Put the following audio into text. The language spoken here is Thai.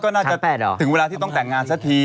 ก็น่าจะถึงเวลาที่ต้องแต่งงานสักที